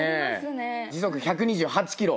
時速１２８キロ。